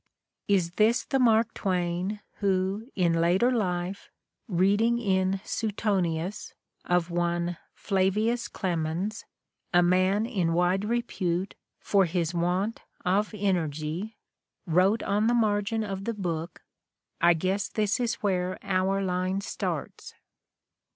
Is this the Mark Twain who, in later life, read ing in Seutonius of one Flavins Clemens, a man in wide repute "for his want of energy," wrote on the margin of the book, "I guess this is where our line starts"?